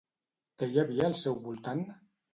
Què hi havia al seu voltant?